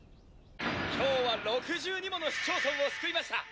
今日は６２もの市町村を救いました！